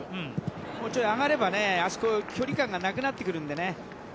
もうちょい上がればね距離感がなくなってくるからね。